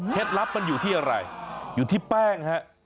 เคล็ดลับมันอยู่ที่อะไรอยู่ที่แป้งครับ